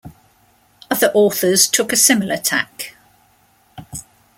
Other authors took a similar tack.